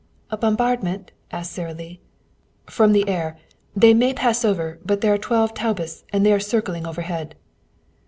"A bombardment?" asked Sara Lee. "From the air. They may pass over, but there are twelve taubes, and they are circling overhead."